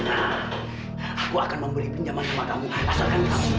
aku akan memberi pinjaman kepada kamu asalkan kamu mau